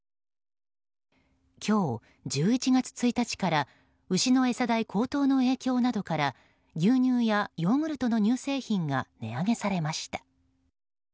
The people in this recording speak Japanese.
今日１１月１日からは牛の餌代高騰の影響などから牛乳やヨーグルトの乳製品が値上げされました。